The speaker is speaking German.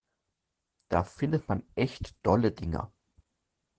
Da findet man echt dolle Dinger.